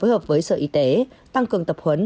hợp với sở y tế tăng cường tập huấn